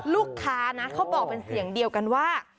ลูกค้านะเขาบอกเป็นเสียงเดียวกันว่า